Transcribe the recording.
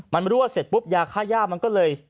มันรั่วเสร็จปุ๊บยาค่าย่ามันก็เลย